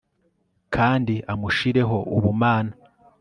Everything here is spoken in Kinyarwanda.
kandi amushireho ubumana